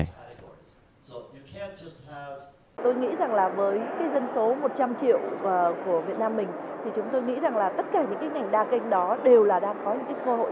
tôi nghĩ rằng với dân số một trăm linh triệu của việt nam mình